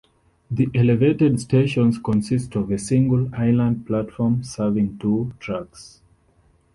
The elevated station consists of a single island platform serving two tracks.